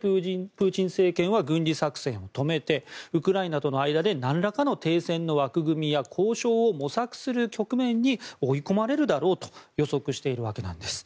プーチン政権は軍事作戦を止めてウクライナとの間でなんらかの停戦の枠組みや交渉を模索する局面に追い込まれるだろうと予測しているわけなんです。